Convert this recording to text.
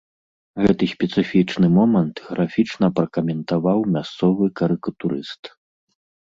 Гэты спецыфічны момант графічна пракаментаваў мясцовы карыкатурыст.